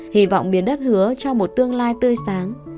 hy vọng biến đất hứa cho một tương lai tươi sáng